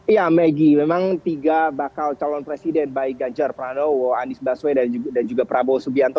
ya maggie memang tiga bakal calon presiden baik ganjar pranowo andis baswedan dan juga prabowo subianto